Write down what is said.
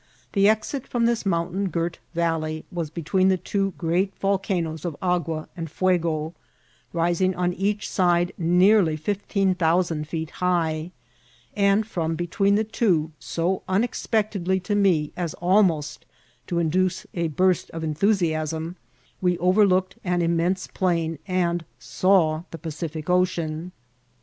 The exit from this mountain girt valley was between the two great volcanoes of Agua and Fuego, rising on each side nearly fifteen thousand feet high ; and from between the two, so unexpectedly to me as almost to induce a burst of enthusiasm, we overlooked an immense plain, and saw the Pacific Ocean.